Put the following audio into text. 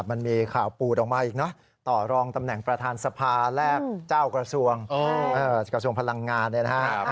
มันมีข่าวปูดออกมาอีกเนอะต่อรองตำแหน่งประธานสภาแลกเจ้ากระทรวงกระทรวงพลังงานเนี่ยนะครับ